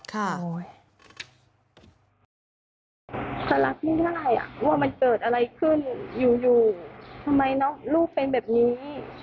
เขารับไม่ได้ว่ามันเกิดอะไรขึ้นอยู่ทำไมลูกเป็นแบบนี้